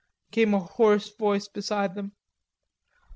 came a hoarse voice beside them.